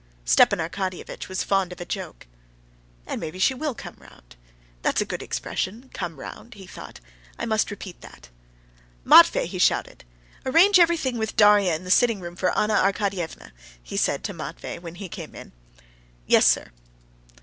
Stepan Arkadyevitch was fond of a joke: "And maybe she will come round! That's a good expression, 'come round,'" he thought. "I must repeat that." "Matvey!" he shouted. "Arrange everything with Darya in the sitting room for Anna Arkadyevna," he said to Matvey when he came in. "Yes, sir."